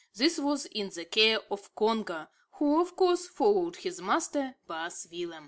This was in the care of Congo, who, of course, followed his master, "Baas Willem."